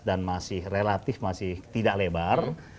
dan masih relatif masih tidak lebar